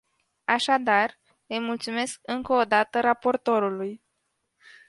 Așadar, îi mulțumesc încă o dată raportorului.